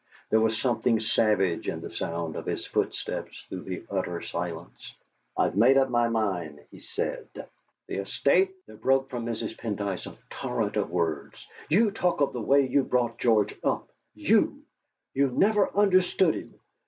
There was something savage in the sound of his footsteps through the utter silence. "I've made up my mind," he said. "The estate " There broke from Mrs. Pendyce a torrent of words: "You talk of the way you brought George up! You you never understood him!